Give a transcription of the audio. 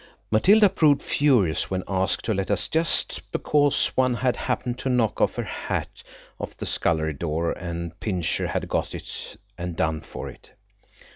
Matilda proved furious when asked to let us, just because some one had happened to knock her hat off the scullery door and Pincher had got it and done for it.